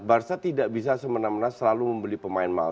barca tidak bisa semena mena selalu membeli pemain mahal